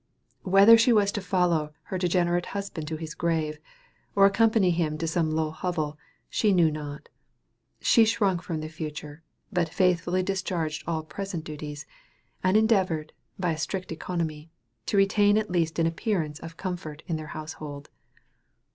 Whether she was to follow her degenerate husband to his grave, or accompany him to some low hovel, she knew not; she shrunk from the future, but faithfully discharged all present duties, and endeavored, by a strict economy, to retain at least an appearance of comfort in her household.